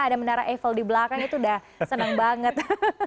ada menara eiffel di belakang itu udah senang banget